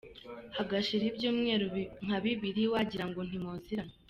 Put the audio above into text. Hagashira ibyumweru nka bibiri wagira ngo ntimuziranye.